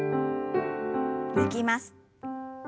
抜きます。